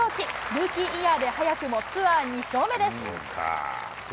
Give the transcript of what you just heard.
ルーキーイヤーで早くもツアー２勝目です。